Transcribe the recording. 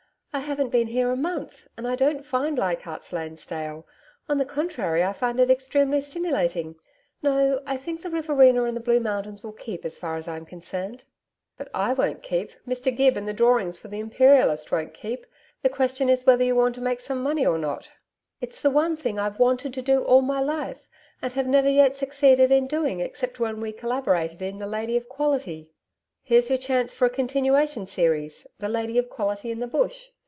'I haven't been here a month. And I don't find Leichardt's Land stale. On the contrary, I find it extremely stimulating. No, I think the Riverina and the Blue Mountains will keep, as far as I'm concerned.' 'But I won't keep. Mr Gibb and the drawings for THE IMPERIALIST won't keep. The question is whether you want to make some money or not?' 'It's the one thing I've WANTED to do all my life, and have never yet succeeded in doing except when we collaborated in "The Lady of Quality." 'Here's your chance for a continuation series, "The Lady of Quality in the Bush."